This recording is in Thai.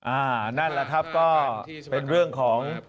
นั่นแหละครับก็เป็นเรื่องของ